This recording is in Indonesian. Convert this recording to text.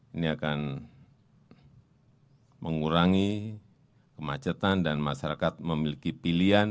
ini akan mengurangi kemacetan dan masyarakat memiliki pilihan